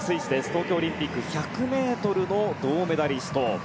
東京オリンピック１００ｍの銅メダリスト。